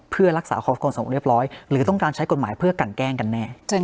เพื่อรักษาความสงบเรียบร้อยหรือต้องการใช้กฎหมายเพื่อกันแกล้งกันแน่